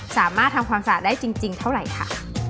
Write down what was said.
สามารถทำความสะอาดได้จริงเท่าไหร่ค่ะ